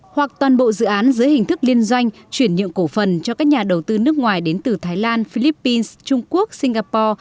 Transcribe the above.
hoặc toàn bộ dự án dưới hình thức liên doanh chuyển nhượng cổ phần cho các nhà đầu tư nước ngoài đến từ thái lan philippines trung quốc singapore